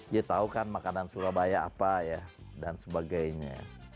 dia tahu kan makanan surabaya apa ya dan sebagainya